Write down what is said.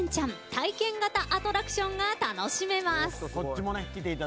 体験型アトラクションが楽しめます。